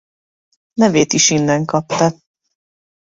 Nevét is innen kapta.